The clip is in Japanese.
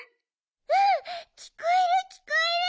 うんきこえるきこえる！